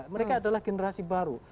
mereka adalah generasi baru